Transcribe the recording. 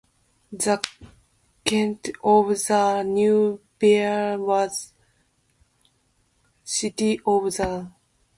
The center of the new district was the city of Khabarovsk.